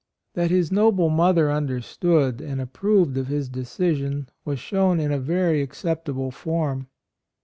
That his noble mother under stood and approved of his decision was shown in a very acceptable form.